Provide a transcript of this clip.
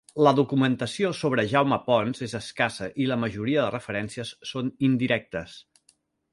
La documentació sobre Jaume Ponç és escassa i la majoria de referències són indirectes.